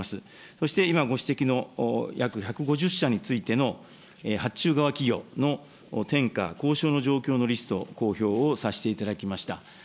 そして今ご指摘の、約１５０社についての発注側企業の転嫁、交渉の状況のリストを公表をさせていただきました。